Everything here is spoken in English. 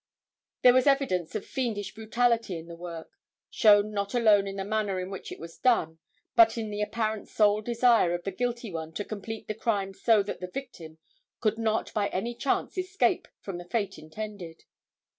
There was evidence of fiendish brutality in the work, shown not alone in the manner in which it was done, but in the apparent sole desire of the guilty one to complete the crime so that the victim could not by any chance escape from the fate intended.